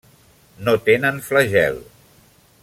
No tenen flagel.